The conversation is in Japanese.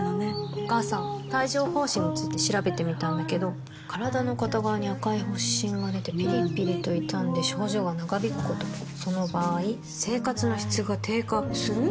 お母さん帯状疱疹について調べてみたんだけど身体の片側に赤い発疹がでてピリピリと痛んで症状が長引くこともその場合生活の質が低下する？